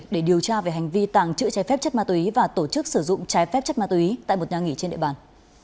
để điều tra về hành vi tàng trữ trái phép chất ma túy và tổ chức sử dụng trái phép chất ma túy tại một nhà nghỉ trên địa bàn